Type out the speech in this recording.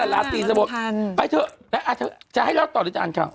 ราศตีสโมสรหรือเปล่าล่ะ